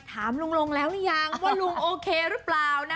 ถามลุงลงแล้วหรือยังว่าลุงโอเคหรือเปล่านะ